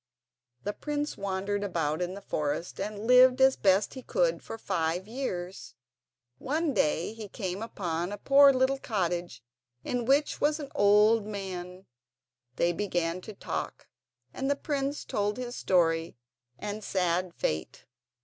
The prince wandered about in the forest and lived as best he could for five years. One day he came upon a poor little cottage in which was an old man. They began to talk, and the prince told his story and sad fate.